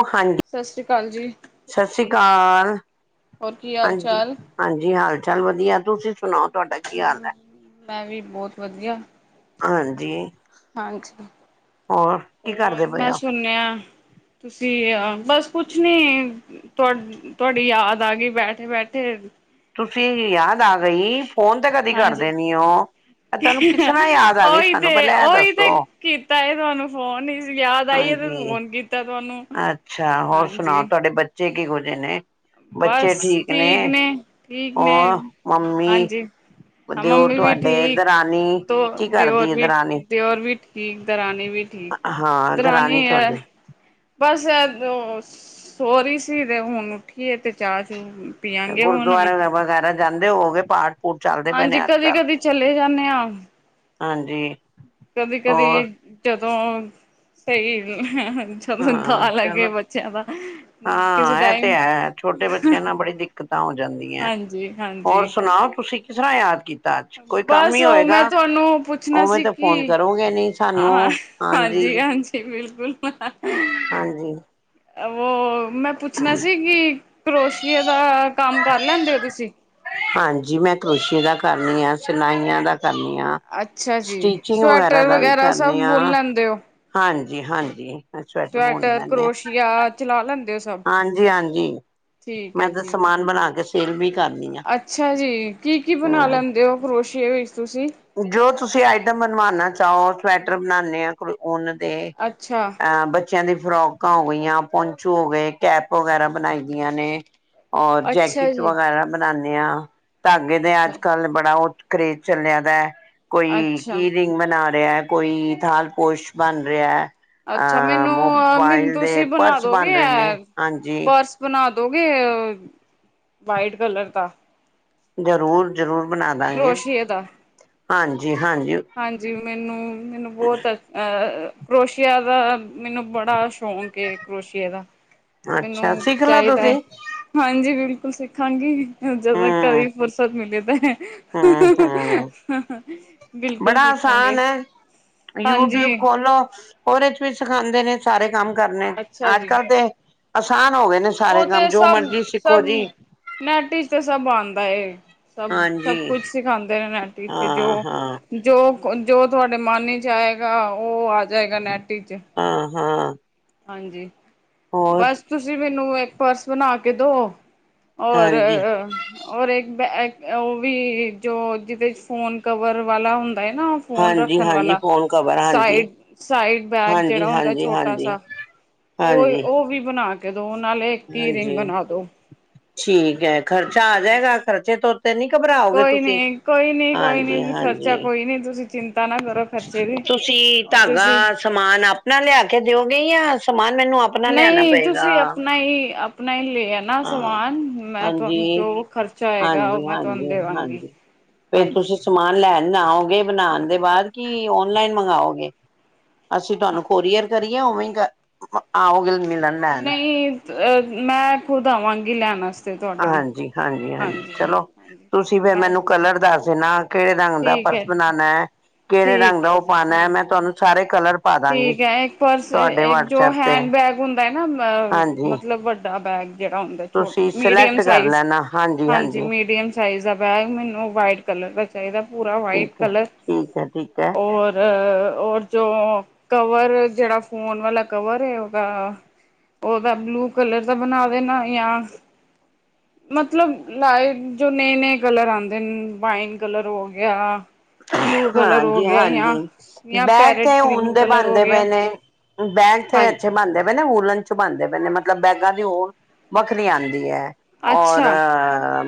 ਉਹ ਹਾਂਜੀ ਸਤਿ ਸ਼੍ਰੀ ਅਕਾਲ ਜੀ ਸਤਿ ਸ਼੍ਰੀ ਅਕਾਲ ਹੋਰ ਕੀ ਹਾਲ ਹਾਂਜੀ ਚਾਲ ਹਾਂਜੀ ਹਾਲ ਚਾਲ ਵਧੀਆ ਤੁਸੀਂ ਸੁਣਾਓ ਤੁਹਾਡਾ ਕੀ ਹਾਲ ਹੈ ਮੈਂ ਵੀ ਬਹੁਤ ਵਧੀਆ ਹਾਂਜੀ ਹਾਂਜੀ ਹੋਰ ਕੀ ਹੋਰ ਕਰਦੇ ਪਏ ਮੈਂ ਹੋ ਸੁਣਲਿਆ ਤੁਸੀਂ ਆ ਬਸ ਕੁਛ ਨੀ ਤੁ ਤੁਹਾਡੀ ਯਾਦ ਆ ਗਈ ਬੈਠੇ ਬੈਠੇ ਤੁਸੀਂ ਯਾਦ ਆ ਗਈ ਫੋਨ ਤੇ ਕਦੀ ਹਾਂਜੀ, ਕਰਦੇ ਨੀ ਓ ਉਹੀ ਤੇ ਉ ਇਹ ਓਹੀ ਤੇ ਦੱਸੋ ਕੀਤਾ ਤੁਹਾਨੂੰ ਫੋਨ ਯਾਦ ਆਈਏ ਤੇ ਹਾਂਜੀ ਫੋਨ ਕੀਤਾ ਤੁਹਾਨੂੰ ਅੱਛਾ ਹੋਰ ਹਾਂਜੀ ਸੁਣਾਓ [unintelligible] ਨੇ ਬਸ ਠੀਕ ਨੇ ਠੀਕ ਨੇ ਹੋਰ ਮੰਮੀ ਹਾਂਜੀ ਹ ਦਿਓਰ ਮੰਮੀ ਵੀ ਤੁਹਾਡੇ ਠੀਕ ਦਰਾਨੀ ਦੋ ਕੀ ਕਰਦੀ ਦਿਓਰ ਹੈ ਵੀ ਦਰਾਨੀ ਦਿਓਰ ਵੀ ਠੀਕ ਦਰਾਨੀ ਵੀ ਠੀਕ ਹਾਂ ਦਰਾਨੀ ਐ ਤੁਹਾਡੀ ਬਸ ਉਹ ਸੋਰੀ ਸੀ ਤੇ ਹੁਣ ਉੱਠੀ ਏ ਤੇ ਚਾਹ ਚੂ ਪੀਆਂਗੇ ਹੁਣ ਗੁਰਦੁਆਰੇ ਵਗੈਰਾ ਜਾਂਦੇ ਹੋਵੋ ਗੇ ਪਾਠ ਪੂਠ ਚੱਲਦੇ ਪਏ ਹਾਂਜੀ ਨੇ ਅੱਜ ਕਦੀ ਕੱਲ ਕਦੀ ਚਲੇ ਜਾਂਦੇ ਆਂ ਹਾਂਜੀ ਕਦੀ ਕਦੀ ਹੋਰ ਜਦੋਂ ਸਹੀ ਦ ਹਾਂ ਲੱਗੇ ਚਲੋ ਬੱਚਿਆਂ ਦਾ ਕਿਸੇ ਹਾਂ ਇਹ ਤੇ ਟਾਈਮ ਹੈ ਛੋਟੇ ਬੱਚਿਆਂ ਨਾਲ ਬੜੀ ਦਿੱਕਤਾਂ ਹੋ ਜਾਂਦੀਆਂ ਹਾਂਜੀ ਹੋਰ ਹਾਂਜੀ ਸੁਣਾਓ ਤੁਸੀਂ ਕਿਸ ਤਰ੍ਹਾਂ ਯਾਦ ਕੀਤਾ [unintelligible] ਕੋਈ ਕੰਮ ਬਸ ਈ ਉਹ ਹੋਏਗਾ ਮੈਂ ਤੁਹਾਨੂੰ ਪੁੱਛਣਾ ਉਵੇਂ ਸੀ ਤਾਂ ਫੋਨ ਕਿ ਕਰੋਂਗੇ ਨੀ ਸਾਨੂੰ ਹਾਂ ਹਾਂਜੀ ਹਾਂਜੀ ਬਿਲਕੁਲ ਹਾਂਜੀ ਉਹ ਮੈਂ ਪੁੱਛਣਾ ਸੀ ਕਿ ਕਰੋਸ਼ੀਏ ਦਾ ਕੰਮ ਕਰ ਲੈਂਦੇ ਓ ਤੁਸੀਂ ਹਾਂਜੀ ਮੈਂ ਕਰੋਸ਼ੀਏ ਦਾ ਕਰਨੀ ਆ, ਸਿਲਾਈਆਂ ਦਾ ਕਰਨੀ ਆ, ਅੱਛਾ ਜੀ ਸਟੀਚੀੰਗ ਵਗੈਰਾ ਸਵੈਟਰ ਦਾ ਵੀ ਸਭ ਕਰਨੀ ਆ, ਬੁਣ ਲੈਂਦੇ ਹੋ ਹਾਂਜੀ- ਹਾਂਜੀ ਬੁਣ ਸਵੈਟਰ, ਲੈਂਦੇ ਆ ਕਰੋਸ਼ੀਆ ਚਲਾ ਲੈਂਦੇ ਹੋ ਸਭ ਹਾਂਜੀ -ਹਾਂਜੀ ਠੀਕ ਮੈਂ ਹੈ ਤਾਂ ਜੀ ਸਮਾਨ ਠੀਕ ਬਣਾ ਕੇ ਸੇਲ ਵੀ ਕਰਦੀ ਆ, ਅੱਛਾ ਜੀ ਕੀ -ਕੀ ਬਣਾ ਹੂੰ ਲੈਂਦੇ ਹੋ ਕਰੋਸ਼ੀਏ ਵਿੱਚ ਤੁਸੀਂ ਜੋ ਤੁਸੀਂ ਆਈਟਮ ਬਣਵਾਣਾ ਚਾਹੋ ਸਵੈਟਰ ਬਣਾਨੇ ਆ, ਉਹਨਾਂ ਦੇ ਅੱਛਾ ਅਹ ਬੱ ਬੱਚਿਆਂ ਦੀ ਫਰੋਕਾਂ ਹੋ ਗਈਆਂ, ਪੋਂਚੂ ਹੋ ਗਏ, ਕੈਪ ਵਗੈਰਾ ਬਣਾਈ ਦੀਆਂ ਨੇ, ਔਰ ਅੱਛਾ ਜੈਕਟ ਜੀ ਵਗੈਰਾ ਬਣਾਨੇ ਆ, ਧਾਗੇ ਦੇ ਅੱਛਾ ਅੱਜ- ਕੱਲ ਬੜਾ ਉ ਕਰਰੇਜ਼ ਚਲੇਆ ਏ ਕੋਈ ਅੱਛਾ ਕੀਰਿੰਗ ਬਨਾ ਰਿਹਾ, ਕੋਈ ਥਾਲ ਪੋਸ਼ ਬਣ ਰਿਹਾ- ਅੱਛਾ ਆ ਮੈਨੂੰ ਮੈਨੂੰ ਮੋਬਾਈਲ ਦੇ ਤੁਸੀਂ ਬਣਾ ਪਰਸ ਦੋਗੇ ਬਣ ਰਹੇ ਨੇ ਐ ਹਾਂਜੀ ਪਰਸ ਬਣਾ ਦੋਗੇ ਅ ਵਾਈਟ ਕਲਰ ਦਾ- ਜ਼ਰੂਰ -ਜ਼ਰੂਰ ਬਣਾਦਾਗੇ ਕਰੋਸ਼ੀਏ ਦਾ ਹਾਂਜੀ -ਹਾਂਜੀ। ਹਾਂਜੀ ਮੈਨੂੰ -ਮੈਨੂੰ ਬਹੁਤ ਅ ਕਰੋਸ਼ੀਆ ਦਾ ਮੈਨੂੰ ਬੜਾ ਸ਼ੌਂਕ ਏ, ਕਰੋਸ਼ੀਏ ਦਾ- ਅੱਛਾ ਮੈਨੂੰ ਸਿੱਖ ਲਓ ਚਾਹੀਦਾ ਤੁਸੀਂ ਏ, ਹਾਂਜੀ ਬਿਲਕੁਲ ਸਿੱਖਾਂਗੀ ਜਦੋਂ ਹੂੰ ਕਦੇ ਫੁਰਸਤ ਮਿਲੇ ਤਾਂ ਹ ਹ ਹ ਹੂੰ-ਹੂੰ ਹ ਹ ਬੜਾ ਆਸਾਨ ਆ, ਯੂਟਿਊਬ ਹਾਂਜੀ ਖੋਲ - ਲੋ ਉਹਦੇ ਚ ਵੀ ਸਿਖਾਂਦੇ ਨੇ ਸਾਰੇ ਕੰਮ ਕਰਨੇ, ਅੱਛਾ ਅੱਜ ਜੀ -ਕੱਲ ਤੇ ਆਸਾਨ ਹੋ ਗਏ ਨੇ ਸਾਰੇ ਉਹ ਕੰਮ ਤੇ ਜੋ ਸਭ ਮਰਜੀੀ ਸਿੱਖੋ ਸਭ ਜੀ, ਨੈਟ ਵਿੱਚ ਤੇ ਸਭ ਆਂਦਾ ਏ - ਸਭ -ਸਭ ਹਾਂਜੀ ਕੁਛ ਸਿਖਾਂਦੇ ਨੇ ਨੈਟ ਵਿੱਚ ਜੋ ਹਾਂ-ਹਾਂ, ਜੋ -ਜੋ ਤੁਹਾਡੇ ਮਨ ਵਿੱਚ ਆਏਗਾ ਉਹ ਆ ਜਾਏਗਾ ਨੈੱਟ ਵਿੱਚ, - ਹਾਂ- ਹਾਂ ਹਾਂਜੀ ਬਸ ਤੁਸੀਂ ਮੈਨੂੰ ਇੱਕ ਪਰਸ ਬਣਾ ਕੇ ਦੋ, ਔਰ ਹਾਂਜੀ। ਔਰ ਇੱਕ-ਇੱਕ ਉਹ ਵੀ ਜੋ ਜਿਹਦੇ ਚ ਫੋਨ ਕਵਰ ਵਾਲਾ ਹੁੰਦਾ ਏ ਨਾ ਉਹ ਫੋਨ ਰੱਖਣ ਹਾਂਜੀ-ਹਾਂਜੀ ਵਾਲਾ ਫੋਨ ਕਵਰ ਹਾਂਜੀ, ਸਾਈਡ -ਸਾਈਡ ਬੈਗ ਜਿਹੜਾ ਹੁੰਦਾ ਹਾਂਜੀ-ਹਾਂਜੀ, ਛੋਟਾ ਹਾਂਜੀ। ਸਾ ਉਹ ਹਾਂਜੀ, ਹਾਂਜੀ -ਉਹ ਵੀ ਬਣਾ ਕੇ ਦੋ ਨਾਲੇ ਇੱਕ ਹੀ ਰਿੰਗ ਹਾਂਜੀ ਬਣਾ ਦੋ ਠੀਕ ਏ, ਖਰਚਾ ਆ ਹਾਂਜੀ ਜਾਏਗਾ, ਖਰਚੇ ਤੋਂ- ਤੇ ਨਹੀਂ ਘਬਰਾਓਗੇ ਕੋਈ ਤੁਸੀਂ ਹਾਂਜੀ -ਹਾਂਜੀ - ਨਹੀਂ-ਨਹੀ ਤੁਸੀਂ ਚਿੰਤਾ ਨਾ ਕਰੋ - ਤੁਸੀਂ ਧਾਗਾ, ਸਮਾਨ ਆਪਣਾ ਲਿਆ ਕੇ ਦਿਓਗੇ ਜਾਂ ਸਮਾਨ ਮੈਨੂੰ ਆਪ ਨਹੀਂ ਤੁਸੀਂ ਆਪਣਾ ਹੀ ਆਪਣਾ ਹੀ ਲੈ ਆਣਾ ਆਪਣਾ ਹਾਂ ਸਮਾਨ ਮੈਂ ਹਾਂਜੀ ਤੁਹਾਨੂੰ ਜੋ ਖ਼ਰਚਾ ਆਏਗਾ, ਉਹ ਹਾਂਜੀ ਮੈਂ ਤੁਹਾਨੂੰ ਹਾਂਜੀ ਦੇਦਾਗੀ - ਹਾਂਜੀ ਫੇਰ ਤੁਸੀਂ ਸਮਾਨ ਲੈਣ ਆਓਗੇ ਹਾਂ ਬਣਾਉਣ ਦੇ ਬਾਅਦ ਕਿ ਓਨਲਾਈਨ ਮੰਗਾਓਗੇ, ਅਸੀਂ ਹਾਂ ਤੁਹਾਨੂੰ ਕੋਰੀਅਰ ਕਰੀਏ ਉਵੇਂ ਘ ਆਓਗੇ ਮਿਲਣ ਲੈਣ ਨਹੀਂ ਅ ਮੈਂ ਖੁਦ ਆਵਾਂਗੀ ਲੈਣ ਵਾਸਤੇ ਤੁਹਾਡੇ ਹਾਂਜੀ -ਹਾਂਜੀ -ਹਾਂਜੀ ਚਲੋ ਹਾਂਜੀ ਤੁਸੀਂ ਫੇਰ ਬਸ ਮੈਨੂੰ ਕਲਰ ਦੱਸ ਦੇਣਾ ਕਿਹੜੇ ਰੰਗ ਦਾ ਠੀਕ ਪਰਸ ਹੈ ਬਣਾਉਣਾ ਏ, ਕਿਹੜੇ ਰੰਗ ਠੀਕ ਦਾ ਹੈ ਉਹ ਜੀ ਪਾਉਣਾ ਏ, ਠੀਕ ਮੈਂ ਤੁਹਾਨੂੰ ਸਾਰੇ ਕਲਰ ਪਾ ਦਾਂਗੀ ਠੀਕ ਐ ਇੱਕ ਪਰਸ ਤੁਹਾਡੇ ਇੱਕ ਜੋ ਵਟਸਐਪ ਤੇ ਹੈਂਡ ਬੈਗ ਹੁੰਦਾ ਹੈ ਨਾ, ਅ ਹਾਂਜੀ ਮਤਲਬ ਵ- ਵੱਡਾ ਬੈਗ ਜੇੜਾ ਹੁੰਦਾ ਛੋਟ ਤੁਸੀਂ ਮੀਡੀਅਮ ਸਿਲੈਕਟ ਕਰ ਸਾਇਜ ਲੈਣਾ ਹਾਂਜੀ ਮੀਡੀਅਮ ਸਾਈਜ਼ ਦਾ ਬੈਗ ਮੈਨੂੰ ਵਾਈਟ ਕਲਰ ਦਾ ਚਾਹੀਦਾ ਪੂਰਾ ਵਾਈਟ ਠੀਕ ਹੈ ਕਲਰ ਠੀਕ ਹੈ ਠੀਕ ਹੈ ਔਰ, ਅ -ਔਰ ਜੋ ਕਵਰ ਜਿਹੜਾ ਫੋਨ ਵਾਲਾ ਕਵਰ ਏ ਉਹਦਾ ਉਹਦਾ ਬਲੂ ਕਲਰ ਦਾ ਬਣਾ ਦੇਣਾ ਯਾ ਮਤਲਬ ਲਾਈਟ ਜੋ ਨਏ ਨਏ ਕਲਰ ਆਦੇ ਨੇ ਵਾਈਨ ਕਲਰ ਹੋ ਗਿਆ ਬਲੂ ਕਲਰ ਹੋ ਹਾਂਜੀ ਗਿਆ ਹਾਂਜੀ ਜਾਂ ਜਾਂ ਬੈਗ ਪੈਰਟ ਤੇ ਉਨ ਗ੍ਰੀਨ ਦੇ ਕਲਰ ਹੋ ਬਣਦੇ ਗਿਆ ਪਏ ਨੇ ਬੈਂਗ ਤੇ ਹਾਂਜੀ ਅੱਛੇ ਬਣਦੇ ਵੂਲਣ ਚੁ ਬਉਂਦੇ ਪਹ ਨੇ ਮਤਲਬ ਬੈਗਾਂ ਦੀ ਉਨ ਵਖਰੀ ਆਉਂਦੀ ਹੈ ਔਰ, ਅੱਛਾ,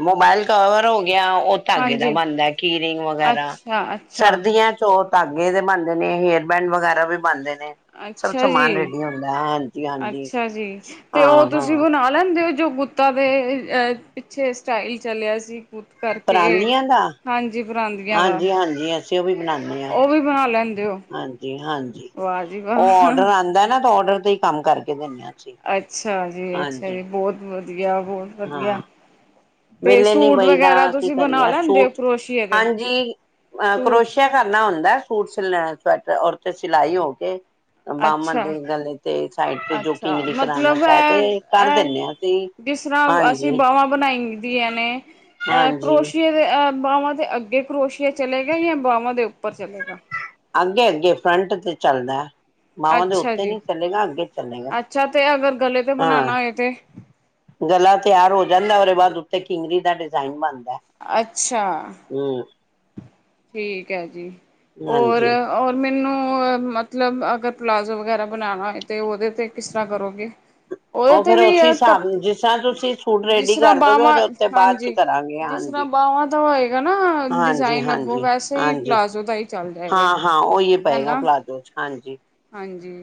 ਮੋਬਾਈਲ ਕਵਰ ਹੋ ਗਿਆ ਉਹ ਧਾਗੇ ਦਾ ਹਾਂਜੀ, ਬਣਦਾ ਕੀ ਰਿੰਗ ਵਗੈਰਾ। ਅੱਛਾ, ਅੱਛਾ, ਯਾ 'ਚੋਂ ਧਾਗੇ ਦੇ ਬਣਦੇ ਨੇ, ਹੇਅਰਬੈਂਡ ਵਗੈਰਾ ਵੀ ਬਣਦੇ ਨੇ। ਸਭ ਅੱਛਾ ਸਮਾਨ ਜੀ। ਰੇਡੀ ਹੁੰਦਾ ਹਾਂਜੀ ਹਾਂਜੀ ਹਾਂ ਹਾਂ ਬਣਾਉਂਦੇ ਓ ਜੋ ਗੁੱਤਾਂ ਦੇ ਪਿੱਛੇ ਸਟਾਈਲ ਚੱਲਿਆ ਸੀ। ਗੁੱਤ ਕਰਕੇ, ਪਰਾਂਦੀਆਂ ਦਾ ਹਾਂਜੀ ਪਰਾਂਦੀਆਂ ਦਾ ਹਾਂਜੀ-ਹਾਂਜੀ ਅਸੀਂ ਉਹ ਵੀ ਬਣਾ ਲੈਂਦੇ ਹੋ। ਹਾਂਜੀ ਹਾਂਜੀ, ਵਾਹ ਜੀ ਉਹ ਵਾਹ ਔਡਰ ਆਉਂਦਾ ਨਾ, ਤਾਂ ਔਡਰ ਤੇ ਹੀ ਕੰਮ ਕਰਕੇ ਦਿੰਨੇ ਹਾਂ। ਅੱਛਾ ਜੀ ਅੱਛਾ ਜੀ ਬਹੁਤ ਵਧੀਆ ਬਹੁਤ ਵਧੀਆ। ਹਾਂ। ਤੇ ਵਿਹਲੇ ਨੀ ਸੂਟ ਬਹੀਦਾ, ਵਗੈਰਾ ਕੀ ਤੁਸੀਂ ਬਣਾ ਕਰੀਏ ਲੈਂਦੇ ਹੋ ਸੂਟ ਕਰੋਸ਼ੀਏ ਦੇ ਹਾਂਜੀ ਅਹ ਸੂਟ ਕਰੋਸ਼ ਕਿਆ ਕਰਨਾ ਹੁੰਦਾ ਸੂਟ ਸੈਟ ਔਰ ਤੇ ਸਿਲਾਈ ਹੋ ਕੇ ਬਾਂਮਾ ਅੱਛਾ ਤੇ ਗਲੇ ਤੇ ਸਾਈਡ ਤੇ ਜੋ ਅੱਛਾ ਕਰਾਣਾ ਮਤਲਬ ਚਾਹੇ ਹੈ ਤੇ ਕਰ ਇਹ ਦਿੰਨੇ ਹਾਂ ਅਸੀਂ। ਜਿਸ ਤਰ੍ਹਾਂ ਅਸੀਂ ਬਾਵਾਂ ਬਣਾਈਦੀਆਂ ਨੇ, ਅਹ ਹਾਂਜੀ-ਹਾਂਜੀ ਕਰੋਸ਼ੀਏ ਤੇ ਬਾਹਾਂ ਦੇ ਅੱਗੇ ਕਰੋਸੀਆ ਚਲੇਗਾ ਜਾਂ ਬਾਹਵਾਂ ਦੇ ਉੱਪਰ ਚਲੇਗਾ। ਅੱਗੇ ਅੱਗੇ ਫਰੰਟ ਤੇ ਚੱਲਦਾ। ਬਾਵਾਂ ਦੇ ਅੱਛਾ ਉੱਤੇ ਜੀ ਨੀ ਚੱਲੇਗਾ, ਅੱਗੇ ਚੱਲੇਗਾ ਅੱਛਾ ਤੇ ਅਗਰ ਗਲੇ ਤੇ ਹਾਂ ਬਣਾਉਣਾ ਹੋਏ ਤੇ ਗਲਾ ਤਿਆਰ ਹੋ ਜਾਂਦਾ ਉਦੇ ਬਾਅਦ ਉੱਤੇ ਕਿੰਗਰੀ ਦਾ ਡਿਜ਼ਾਇਨ ਬਣਦਾ। ਅੱਛਾ ਹਮ ਠੀਕ ਹੈ ਜੀ ਹੋਰ ਹਾਂਜੀ ਔਰ ਮੈਨੂੰ ਮਤਲਬ ਅਗਰ ਪਲਾਜ਼ੋ ਵਗੈਰਾ ਤੇ ਬਣਾਉਣਾ ਹੋਏ ਤਾਂ ਉਹਦੇ 'ਤੇ ਕਿਸ ਤਰ੍ਹਾਂ ਕਰੋਗੇ। ਉਹਦੇ ਉਹ ਤੇ ਫੇਰ ਵੀ ਉਸੇ ਅ ਹਿਸਾਬ ਜਿਸ ਤਰ੍ਹਾਂ ਤੁਸੀਂ ਸੂਟ ਜਿਸ ਰੈਡੀ ਤਰ੍ਹਾਂ ਕਰ ਦੋਗੇ ਬਾਹਵਾਂ ਉਹਦੇ ਉੱਤੇ ਬਾਅਦ ਚ ਹਾਂਜੀ ਕਰਾਂਗੇ ਜਿਸ ਤਰ੍ਹਾਂ ਹਾਂਜੀ ਬਾਵਾਂ ਦਾ ਹੋਏਗਾ ਨਾ ਹਾਂਜੀ ਡਿਜ਼ਾਇਨ ਓ ਹਾਂਜੀ ਵੈਸੇ ਹੀ ਹਾਂਜੀ ਪਲਾਜ਼ੋ ਦਾ ਹੀ ਚੱਲ ਜਾਏਗਾ ਹਾਂ ਹਾਂ ਉਹੀ ਹੈ ਪਏਗਾ ਨਾ। ਪਲਾਜ਼ੋ ਚ ਹਾਂਜੀ ਹਾਂਜੀ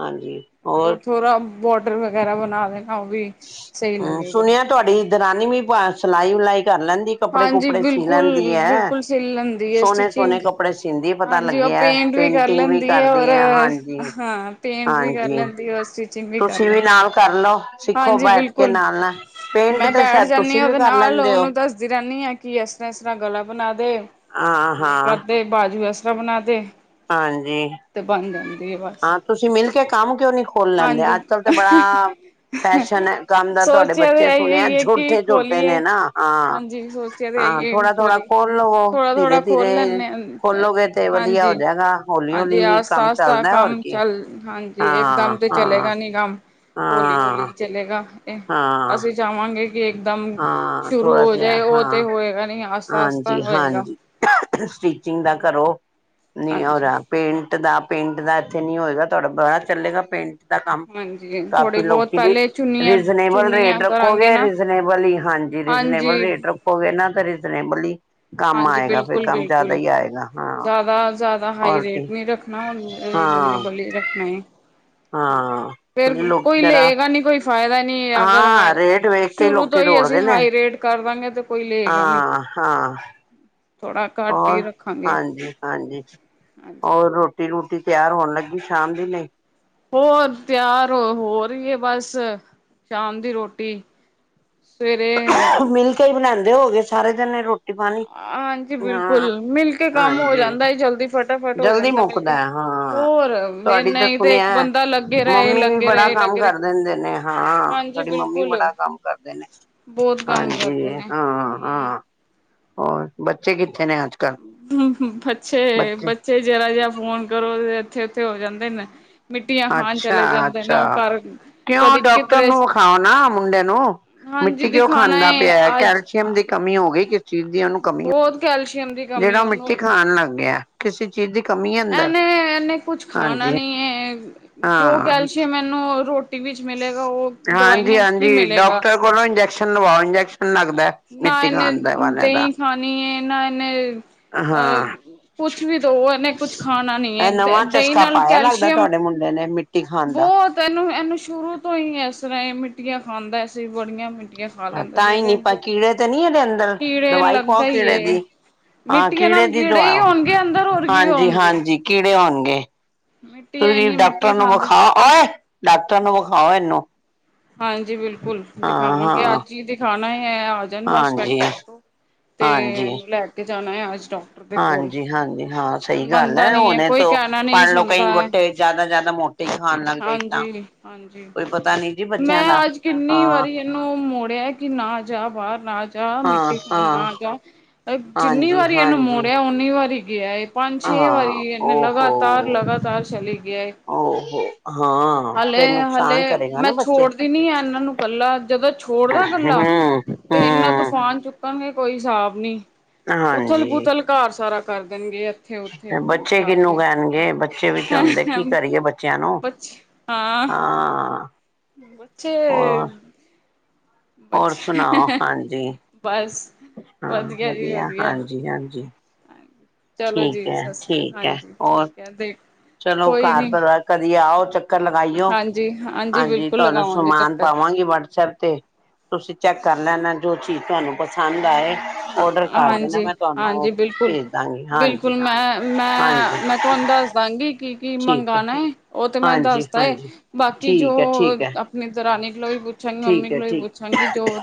ਹਾਂਜੀ ਹੋਰ ਥੋੜਾ ਬੋਡਰ ਵਗੈਰਾ ਬਣਾ ਦੇਣਾ, ਉਹ ਵੀ ਸਹੀ ਹੂੰ ਲਗੇਗਾ ਸੁਣਿਆ ਤੁਹਾਡੀ ਦਰਾਨੀ ਵੀ ਸਿਲਾਈ ਵਿਲਾਈ ਕਰ ਲੈਂਦੀ। ਕੱਪੜੇ ਹਾਂਜੀ ਕੁਪੜੇ ਸੀ ਲੈਂਦੀ ਬਿਲਕੁਲ ਹੈ ਬਿਲਕੁਲ ਸਿਲ ਲੈਂਦੀ ਹੈ ਸੋਹਣੇ ਸਟਿਚਿੰਗ ਸੋਹਣੇ ਕੱਪੜੇ ਸੀਂਦੀ, ਪਰ ਪਤਾ ਹਾਂਜੀ ਉਹ ਲੱਗਿਆ ਪੇਂਟ ਵੀ ਕਰ ਪੇਂਟਿੰਗ ਵੀ ਲੈਂਦੀ ਕਰਦੀ ਔਰ ਹੈ ਹਾਂਜੀ ਹਾਂ ਪੇਂਟ ਵੀ ਕਰ ਹਾਂਜੀ ਲੈਂਦੀ ਔਰ ਸਟਿਚਿੰਗ ਕਰ ਤੁਸੀਂ ਵੀ ਲੈਂਦੀ। ਨਾਲ ਕਰ ਲਓ। ਸਿੱਖੋ ਹਾਂਜੀ ਬੈਠ ਕੇ ਬਿਲਕੁਲ ਨਾਲ ਨਾਲ ਪੇਂਟ ਮੈਂ ਤਾਂ ਬੈਠ ਸ਼ਾਇਦ ਤੁਸੀਂ ਵੀ ਕਰ ਲੈਂਦੇ ਹੋ ਕੀ ਇਸ ਤਰ੍ਹਾਂ ਇਸ ਤਰ੍ਹਾਂ ਗਲਾ ਬਣਾ ਦੇ। ਆਹ ਇਹ ਹਾਂ ਕਰਦੇ ਬਾਜੂ ਇਸ ਤਰ੍ਹਾਂ ਬਣਾ ਦੇ ਹਾਂਜੀ ਤੇ ਬਣ ਜਾਂਦੀ ਹੈ ਬਸ ਹਾਂ ਤੁਸੀਂ ਮਿਲ ਕੇ ਕੰਮ ਕਿਉਂ ਨਹੀਂ ਖੋਲ ਲੈਂਦੇ, ਹਾਂਜੀ ਅੱਜ ਕੱਲ ਤਾਂ ਬੜਾ ਫੈਸ਼ਨ ਹੈ ਕੰਮ ਦਾ ਤੁਹਾਡੇ ਸੋਚਿਆ ਤੇ ਬੱਚੇ ਸੁਣਿਐ ਇਹੀ ਹੈ ਕਿ ਛੋਟੇ ਛੋਟੇ ਨੇ ਖੋਲੀਏ ਨਾ ਹਾਂ ਹਾਂਜੀ ਸੋਚਿਆ ਤੇ ਹਾਂ ਆਈਏ ਥੋੜਾ ਥੋੜਾ ਖੋਲੀ ਖੋਲ ਲਵੋ ਥੋੜਾ ਧੀਰੇ ਥੋੜਾ ਖੋਲ ਧੀਰੇ ਲੈਂਦੇ ਹਾਂ, ਖੋਲੋਗੇ ਤੇ ਵਧੀਆ ਹੋ ਹਾਂਜੀ ਜਾਗਾ ਹੌਲੀ ਹੌਲੀ ਹੀ ਕੰਮ ਚੱਲਦਾ ਹੋਰ ਕੀ [unintelligible] ਹਾਏ ਹਾਂ ਹਾਂ। ਨਿਗਮ ਹਾਂ। ਹੌਲੀ-ਹੌਲੀ ਚੱਲੇਗਾ ਇਹ, ਹਾਂ ਅਸੀਂ ਜਾਵਾਂਗੇ। ਕਿ ਇੱਕਦਮ ਹਾਂ ਸ਼ੁਰੂ ਹੋ ਜਾਏ, ਉਹ ਤੇ ਹੋਏਗਾ ਨੀ। ਹਾਂਜੀ-ਹਾਂਜੀ, ਸਟੀਚਿੰਗ ਦਾ ਕਰੋ, ਨੀ ਔਰ ਹਾਂਜੀ ਪੇਂਟ ਪਿੰਡ ਦਾ ਪਿੰਡ ਦਾ ਇੱਥੇ ਨੀ ਹੋਏਗਾ, ਤੁਹਾਡਾ ਬਾਹਰ ਚੱਲੇਗਾ ਪਿੰਡ ਦਾ ਕੰਮ। ਹਾਂਜੀ ਥੋੜ੍ਹੀ ਕਾਫੀ ਬਹੁਤ ਲੋਕੀ ਪਹਿਲੇ ਚੁੰਨੀਆਂ ਰੀਜਨੇਬਲ ਚੁੰਨੀਆਂ ਰੇਟ ਕਰਾਂਗੇ ਰੱਖੋਗੇ, ਨਾ ਰੀਜਨੇਬਲ ਹੀ ਹਾਂਜੀ ਜੇ ਰੀਜ਼ਨੇਬਲ ਹਾਂਜੀ ਰੇਟ ਰੱਖੋਗੇ ਨਾ, ਤਾਂ ਰੀਜ਼ਨੇਬਲ ਹੀ ਕੰਮ ਹਾਂਜੀ ਆਏਗਾ ਫਿਰ ਬਿਲਕੁਲ ਕੰਮ ਬਿਲਕੁਲ ਜ਼ਿਆਦਾ ਹੀ ਆਏਗਾ ਹਾਂ ਜ਼ਿਆਦਾ ਜ਼ਿਆਦਾ ਹਾਈ ਔਰ ਰੇਟ ਕੀ ਨੀ ਰੱਖ ਹਾਂ [unintelligible] ਹਾਂ ਫਿਰ ਕਿਉਂਕਿ ਲੋਕ ਕੋਈ ਜਰਾ ਲਏਗਾ ਨੀ ਕੋਈ ਫਾਇਦਾ ਨਹੀਂ ਅਗਰ ਹਾਂ ਰੇਟ ਵੇਖ ਕੇ ਸ਼ੁਰੂ ਤੋਂ ਲੋਕੀ ਹੀ ਅਸੀਂ ਦੌੜਦੇ ਨੇ ਹਾਈ ਰੇਟ ਕਰ ਦਾਂਗੇ ਤੇ ਕੋਈ ਲਏਗਾ ਨੀ ਹਾਂ ਹਾਂ। [inaudible] ਘੱਟ ਹੋਰ ਹੀ ਰੱਖਾਂਗੇ ਹਾਂਜੀ ਹਾਂਜੀ ਹਾਂਜੀ ਹੋਰ ਰੋਟੀ ਰੋਟੀ ਰੋਟੀ ਤਿਆਰ ਹੋਣ ਲੱਗੀ ਸ਼ਾਮ ਦੇ ਲਈ ਹੋਰ ਤਿਆਰ ਹੋ ਰਹੀ ਹੈ ਬਸ ਸ਼ਾਮ ਦੀ ਰੋਟੀ ਸਵੇਰੇ ਮਿਲ ਕੇ ਹੀ ਬਣਾਉਂਦੇ ਹੋ ਗਏ ਸਾਰੇ ਜਣੇ ਰੋ ਰਟੀ ਪਾਣੀ ਹਾਂਜੀ ਬਿਲਕੁਲ ਹਾਂ ਮਿਲ ਕੇ ਕੰਮ ਹੋ ਹਾਂਜੀ ਜਾਂਦਾ ਏ ਜਲਦੀ ਫਟਾਫਟ ਹੋ ਜਲਦੀ ਜਾਂਦਾ ਮਿਲ ਕੇ ਮੁੱਕਦਾ ਹਾਂ ਹੋਰ ਵੀ ਤੁਹਾਡੀ ਤਾਂ ਨਹੀਂ ਤੇ ਸੁਣਿਆ ਇੱਕ ਬੰਦਾ ਲੱਗੇ ਰਹੇ ਮੰਮੀ ਵੀ ਲੱਗੇ ਬੜਾ ਰਹੇ ਕੰਮ ਲੱਗੇ ਰਹੇ ਕਰ ਦਿੰਦੇ ਨੇ ਹਾਂ ਹਾਂਜੀ ਤੁਹਾਡੀ ਮੰਮੀ ਬਿਲਕੁਲ ਬੜਾ ਕੰਮ ਕਰਦੇ ਨੇ ਬਹੁਤ ਕੰਮ ਹਾਂਜੀ ਕਰਦੇ ਇਹ ਨੇ ਹਾਂ ਹਾਂ ਹੋਰ ਬੱਚੇ ਕਿੱਥੇ ਨੇ ਅੱਜ ਕੱਲ ਹੂੰ ਬੱਚੇ ਬੱਚੇ ਜਰਾ ਜਿਹਾ ਫੋਨ ਕਰੋ ਇੱਥੇ ਓਥੇ ਹੋ ਜਾਂਦੇ ਨੇ ਮਿੱਟੀਆਂ ਖਾਣ ਅੱਛਾ ਚਲੇ ਜਾਂਦੇ ਨੇ ਅੱਛਾ ਉਹ ਘਰ ਕਿਉਂ ਕਦੇ ਡਾਕਟਰ ਕਿਧਰੇ ਨੂੰ ਵਿਖਾ ਨਾ ਮੁੰਡੇ ਨੂੰ ਹਾਂਜੀ ਮਿੱਟੀ ਕਿਉਂ ਦਿਖਾਣਾ ਖਾਂਦਾ ਪਿਆ ਹੈ ਅੱਜ ਕੈਲਸ਼ੀਅਮ ਦੀ ਕਮੀ ਹੋ ਗਈ ਕਿਸ ਚੀਜ਼ ਦੀ ਉਹਨੂੰ ਕਮੀ ਬਹੁਤ ਕੈਲਸ਼ੀਅਮ ਦੀ ਕਮੀ ਉਹਨੂੰ ਹੈ। ਆਉਣ ਲੱਗ ਗਿਆ ਕਿਸੇ ਚੀਜ਼ ਦੀ ਕਮੀ ਹੈ। ਅੰਦਰ ਇਹਨੇ ਇਹਨੇ ਕੁਛ ਖਾਣਾ ਹਾਂਜੀ ਨੀ ਹੈ ਜੋ ਹਾਂ ਕੈਲਸ਼ੀਅਮ ਇਹਨੂੰ ਰੋ ਰੋਟੀ ਵਿੱਚ ਮਿਲੇਗਾ ਉਹ ਹਾਂਜੀ ਦਵਾਈਆਂ ਚ ਕੀ ਹਾਂਜੀ ਮਿਲੇਗਾ ਡਾਕਟਰ ਕੋਲੋਂ ਇੰਜੈਕਸ਼ਨ ਲਵਾਓ ਇੰਜੈਕਸ਼ਨ ਲੱਗਦਾ ਨਾ ਮਿੱਟੀ ਇਹਨੇ ਖਾਣ ਦਾ ਵਾਲਿਆਂ ਦਾ ਦਹੀਂ ਖਣੀ ਨਾ ਇਹਨੇ ਅ ਹਾਂ ਕੁਛ ਵੀ ਦੋ ਇਹਨੇ ਕੁਛ ਖਾਣਾ ਨਹੀਂ ਇਹ ਹੈ ਨਵਾਂ ਦਹੀਂ ਚਸਕਾ ਨਾਲ ਪਾਇਆ ਲੱਗਦਾ ਕੈਲਸ਼ੀਅਮ ਤੁਹਾਡੇ ਮੁੰਡੇ ਨੇ ਮਿੱਟੀ ਖਾਣ ਦਾ ਬਹੁਤ ਇਹਨੂੰ ਇਹਨੂੰ ਸ਼ੁਰੂ ਤੋਂ ਹੀ ਇਸ ਤਰ੍ਹਾਂ ਹੀ ਮਿੱਟੀਆਂ ਖਾਂਦਾ ਸੀ ਬੜੀਆਂ ਖਾ ਲੈਂਦਾ ਸੀ ਤਾਂ ਹੀ ਇਹਦੇ ਨੀ ਫਿਰ ਕੀੜੇ ਤੇ ਨਹੀਂ ਇਹਦੇ ਅੰਦਰ ਕੀੜੇ ਦਵਾਈ ਖਾਓ ਲੱਗਦਾ ਹੀ ਕੀੜੇ ਦੀ ਏ ਹਾਂ ਮਿੱਟੀਆਂ ਕੀੜੇ ਨਾਲ ਦੀ ਦਵਾ ਹੀ ਹੋਣਗੇ ਅੰਦਰ ਹੋਰ ਕੀ ਹਾਂਜੀ ਹੋਣਗੇ ਹਾਂਜੀ ਕੀੜੇ ਹੋਣਗੇ ਮਿੱਟੀ ਤੁਸੀਂ ਇੰਨੀ ਮਿੱਟੀ ਡਾਕਟਰ ਨੂੰ ਖਾਂਦਾ ਵਿਖਾ ਓਏ ਡਾਕਟਰਾਂ ਨੂੰ ਵਿਖਾਓ ਇਹਨੂੰ ਹਾਂਜੀ ਬਿਲਕੁਲ ਹਾਂ ਦਿਖਾਵਾਂਗੇ ਹਾਂ ਅੱਜ ਹੀ ਦਿਖਾਣਾ ਹੀ ਹੈ। ਹਾਂਜੀ [unintelligible] ਤੋਂ ਤੇ ਹਾਂਜੀ ਲੈ ਕੇ ਜਾਣਾ ਆ [unintelligible] ਹਾਂਜੀ ਹਾਂਜੀ ਹਾਂ ਸਹੀ ਗੱਲ ਹੈ ਨੀ ਹੁਣੇ ਕੋਈ ਤੋਂ ਕਹਿਣਾ ਨਹੀਂ ਪੜ ਲਓ ਕਈ ਸੁਣਦਾ ਹੈ ਵੁਟੇ ਜ਼ਿਆਦਾ ਜਿਆਦਾ ਮੋਟੇ ਖਾਣ ਨਾ ਵੇਟ ਤਾਂ ਹਾਂਜੀ ਹਾਂਜੀ ਕੋਈ ਪਤਾ ਨੀ ਜੀ ਬੱਚਿਆਂ ਦਾ ਮੈਂ ਅੱਜ ਕਿੰਨੀ ਹਾਂ। ਵਾਰੀ ਇਹਨੂੰ ਮੋੜਿਆ ਕਿ ਨਾ ਜਾ ਬਾਹਰ ਨਾ ਜਾ ਹਾਂ ਮਿੱਟੀ ਖਾਣ ਹਾਂ ਨਾ ਜਾ ਜਿੰਨੀ ਹਾਂਜੀ ਵਾਰੀ ਇਨੂੰ ਹਾਂਜੀ ਮੋੜੇਆ, ਉਨੀ ਵਾਰੀ ਗੇਆ ਏ। ਪੰਜ, ਛੇ ਹਾਂ ਵਾਰੀ ਇਨੇ ਲਗਾਤਾਰ- ਲਗਾਤਾਰ ਚਲੀ ਗੇਆ ਏਹ। ਓ, ਹੋ ਹਾਂ ਫੇਰ ਹਲੇ ਨੁਕਸਾਨ ਕਰੇਗਾ। ਨਾ ਮੈਂ ਬੱਚੇ ਛੋੜ ਦਿੰਨੀ ਆ, ਇਨਾਂ ਨੂੰ ਕੱਲਾ, ਜਦੋਂ ਛੋੜ ਦਾਂ ਕੱਲਾ, ਹਮ ਤੇ ਇਨਾਂ ਹਮ ਤੂਫਾਨ ਚੁੱਕ ਕਣਗੇ ਕੋਈ ਹਸਾਬ ਨੀ, ਉਥਲ ਹਾਂਜੀ -ਪੁਥਲ ਘਰ ਸਾਰਾ ਕਰ ਦੇਣਗੇ। ਉੱਥੇ ਫੇਰ ਬੱਚੇ ਜਾ ਕਿਨੂੰ ਕੇ ਕੇਹਣਗੇ? ਬੱ ਬੱਚੇ ਵੀ ਤਾਂ ਹੁੰਦੇ, ਕੀ ਕਰੀਏ ਬੱਚਿਆਂ ਨੂੰ? ਬੱਚੇ ਹਾਂ ਹਾਂ। ਬੱਚੇ ਹੋਰ ਹੋਰ ਸੁਣਾਓ ਬੱਚੇ, ਹਾਂਜੀ ਬਸ ਹਾਂ, ਵਧੀਆ ਹਾਂਜੀ -ਹਾਂਜੀ। ਠੀਕ ਐ- ਠੀਕ ਐ। ਔਰ? ਕੈੰਦੇ ਚਲੋ, ਘਰ ਪਰਿਵਾਰ ਕਦੀ ਆਓ, ਚੱਕਰ ਲਗਾਈਓ। ਹਾਂਜੀ ਹਾਂਜੀ, ਬਿਲਕੁਲ ਤੁਆਨੂੰ ਲਗਾਵਾਂਗੇ ਸਮਾਨ ਚੱਕਰ ਪਾਵਾਂ। ਵਟਸਐਪ ਤੇ, ਤੁਸੀਂ ਚੈੱਕ ਕਰ ਲੈਣਾ, ਜੋ ਚੀਜ਼ ਤੁਆਨੂੰ ਪਸੰਦ ਆਏ ਔਡਰ ਕਰ ਦੇਣਾ ਹਾਂਜੀ, ਮੈਂ ਤੁਹਾਨੂੰ ਹਾਂਜੀ ਬਿਲਕੁਲ, ਭੇਜ ਦਾਂਗੀ ਹਾਂਜੀ ਬਿਲਕੁਲ ਮੈਂ, ਮੈਂ ਹਾਂਜੀ -ਮੈਂ। ਤੁਆਨੂੰ ਦੱਸ ਦਾਂਗੀ ਕਿ ਕੀ, ਠੀਕ ਹੈ ਮੰਗਾਣਾ ਓ ਤੇ, ਮੈਂ ਹਾਂਜੀ ਦੱਸ ਤਾ ਏ ਹਾਂਜੀ ਬਾਕੀ ਜੋ ਠੀਕ ਹੈ ਠੀਕ ਹੈ ਆਪਨੀ ਦਰਾਨੀ ਕੋਲੋਂ ਵੀ ਪੁੱ ਪੁੱਛਾਂਗੀ, ਮੰਮੀ ਠੀਕ ਹੈ ਕੋਲੋੰ ਵੀ ਠੀਕ ਪੁੱਛਾਂਗੀ, ਜੋ,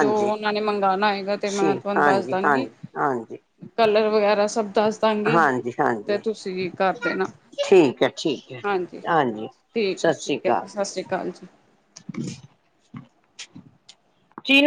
ਜੋ ਉਨਾਂ ਨੇ ਮੰਗਾਣਾ ਹੈਗਾ। ਤੇ, ਮੈਂ ਠੀਕ ਤੁਆਨੂੰ ਦੱਸ ਹਾਂਜੀ ਦਾਂਗੀ ਹਾਂਜੀ ਹਾਂਜੀ ਕਲਰ ਵਗੈਰਾ ਸਬ ਦੱਸ ਦਾਂਗੀ, ਹਾਂਜੀ ਤੇ ਹਾਂਜੀ ਤੁਸੀ ਵੀ ਕਰ ਦੇਨਾ। ਠੀਕ ਹੈ ਠੀਕ ਹੈ ਹਾਂਜੀ -ਹਾਂਜੀ, ਠੀਕ ਐ ਸਤਿ ਸ੍ਰੀ -ਠੀਕ ਐ, ਜੀ ਅਕਾਲ ਸਸ ਸ੍ਰੀ ਕਾਲ ਜੀ। [unintelligible] ਜੀ